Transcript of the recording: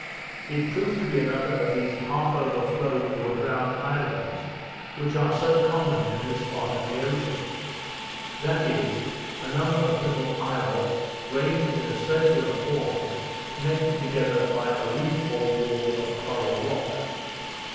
It proved to be another of these half over flowed or drowned islands, which are so common in this part of the ocean; that is, a number of little isles ranged in a circular form, connected together by a reef or wall of coral rock.